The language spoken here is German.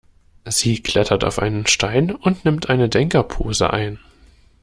Sie klettert auf einen Stein und nimmt eine Denkerpose ein.